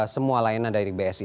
semua layanan dari bsi